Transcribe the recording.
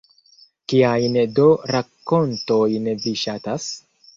Kiajn do rakontojn vi ŝatas?